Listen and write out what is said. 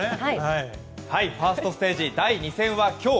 ファーストステージ第２戦は今日。